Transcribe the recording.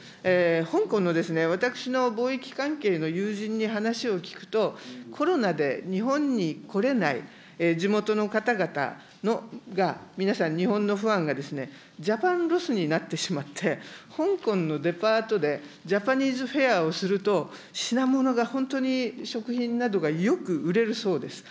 香港の、私の貿易関係の友人に話を聞くと、コロナで日本に来れない地元の方々が、皆さん、日本のファンがジャパンロスになってしまって、香港のデパートでジャパニーズフェアをすると、品物が本当に、食品などがよく売れるそうです。